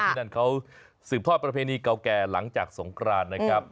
ที่นั่นเขาสืบทอดประเพณีเก่าแก่หลังจากสงครานนะครับ